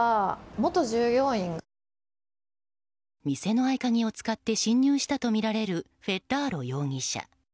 店の合鍵を使って侵入したとみられるフェッラーロ容疑者。